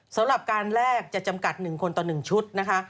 สำหรับการแลกจะจำกัด๑คนต่อ๑ชุดนะคะ